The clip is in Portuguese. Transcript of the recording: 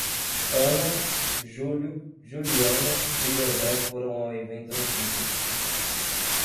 Ana, Júlio, Juliana e José foram ao evento na quinta.